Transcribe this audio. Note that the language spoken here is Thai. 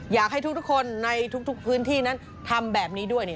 อยากให้ทุกคนในทุกพื้นที่นั้นทำแบบนี้ด้วย